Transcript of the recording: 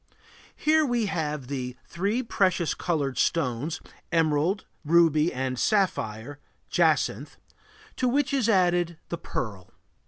Here we have the three precious colored stones, emerald, ruby, and sapphire (jacinth), to which is added the pearl.